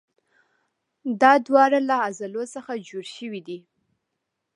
دا دواړه له عضلو څخه جوړ شوي دي.